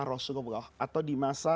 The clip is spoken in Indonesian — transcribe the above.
rasulullah atau di masa